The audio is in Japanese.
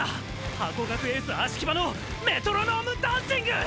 ハコガクエース葦木場のメトロノームダンシング！！